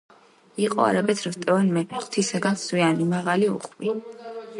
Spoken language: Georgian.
იყო არაბეთს როსტევან მეფე ღვრთისაგან სვიანი მაღალი უხვი